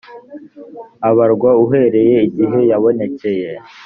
abarwa uhereye igihe yabonekeye